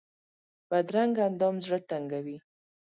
بدرنګه اندام زړه تنګوي